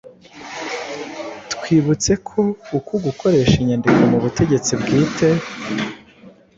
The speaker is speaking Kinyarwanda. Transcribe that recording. Twibutse ko uko gukoresha inyandiko mu butegetsi bwite